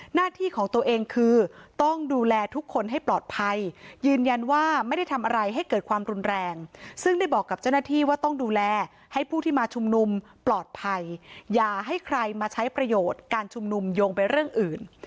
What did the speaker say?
หน้าที่ของตัวเองคือต้องดูแลทุกคนให้ปลอดภัยยืนยันว่าไม่ได้ทำอะไรให้เกิดความรุนแรงซึ่งได้บอกกับเจ้าหน้าที่ว่าต้องดูแลให้ผู้ที่มาชุมนุมปลอดภัยอย่าให้ใครมาใช้ประโยชน์การชุมนุมโยงไปเรื่องอื่น